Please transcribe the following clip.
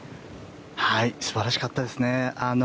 素晴らしかったですね。